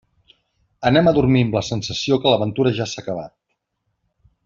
Anem a dormir amb la sensació que l'aventura ja s'ha acabat.